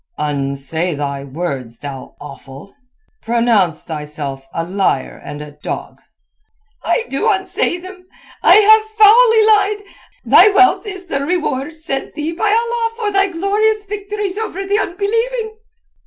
"Unsay thy words, thou offal. Pronounce thyself a liar and a dog." "I do unsay them. I have foully lied. Thy wealth is the reward sent thee by Allah for thy glorious victories over the unbelieving."